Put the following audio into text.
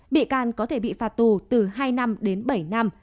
bị can có thể bị phạt tù từ hai năm đến bảy năm